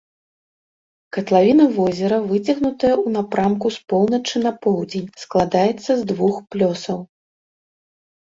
Катлавіна возера выцягнутая ў напрамку з поўначы на поўдзень, складаецца з двух плёсаў.